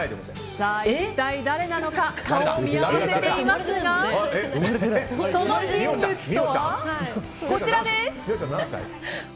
一体誰なのか顔を見合わせていますがその人物とは、こちらです。